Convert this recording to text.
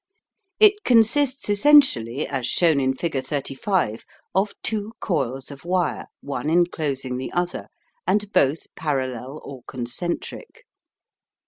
It consists essentially, as shown in figure 35, of two coils of wire, one enclosing the other, and both parallel or concentric.